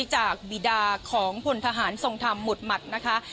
จากบีดาของพลทหารทรงธรรมหมุดหมัดนะคะ